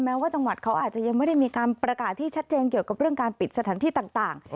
ว่าจังหวัดเขาอาจจะยังไม่ได้มีการประกาศที่ชัดเจนเกี่ยวกับเรื่องการปิดสถานที่ต่าง